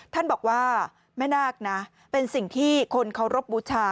ท่านบอกว่าแม่นาคนะเป็นสิ่งที่คนเคารพบูชา